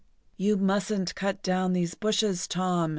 "You mustn't cut down these bushes, Tom!"